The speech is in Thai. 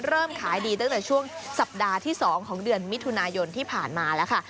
เริ่มขายดีตั้งแต่ช่วงสัปดาห์ที่๒ของเดือนมิถุนายนที่ผ่านมาแล้วค่ะ